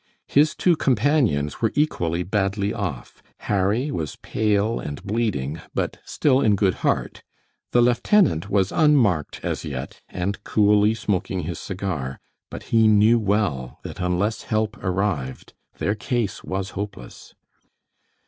His two companions were equally badly off. Harry was pale and bleeding, but still in good heart. The lieutenant was unmarked as yet, and coolly smoking his cigar, but he knew well that unless help arrived their case was hopeless.